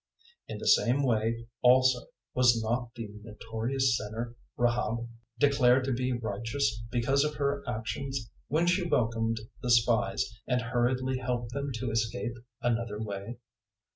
002:025 In the same way also was not the notorious sinner Rahab declared to be righteous because of her actions when she welcomed the spies and hurriedly helped them to escape another way?